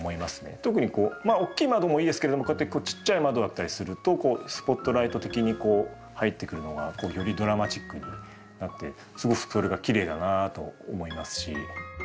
特にこうまあ大きい窓もいいですけれどもこうやって小さい窓だったりするとスポットライト的にこう入ってくるのがよりドラマチックになってすごくそれがきれいだなと思いますし。